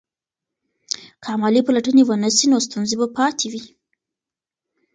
که عملي پلټنې ونه سي نو ستونزې به پاتې وي.